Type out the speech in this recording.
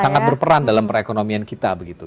sangat berperan dalam perekonomian kita begitu